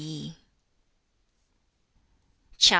CHAP.